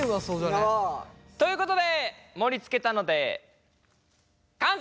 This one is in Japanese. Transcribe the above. なあ。ということで盛り付けたので完成です。